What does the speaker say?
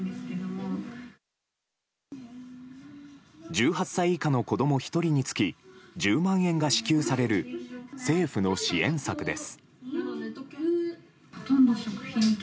１８歳以下の子供１人につき１０万円が支給される政府の支援策です。